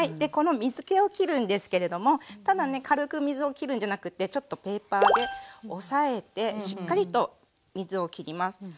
この水けをきるんですけれどもただね軽く水をきるんじゃなくてちょっとペーパーで押さえてしっかりと水をきります。